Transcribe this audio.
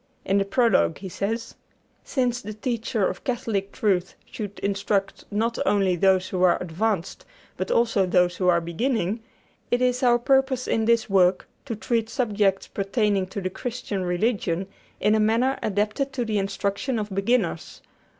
In the prologue he says: "Since the teacher of Catholic truth should instruct not only those who are advanced, but also those who are beginning, it is our purpose in this work to treat subjects pertaining to the Christian religion in a manner adapted to the instruction of beginners.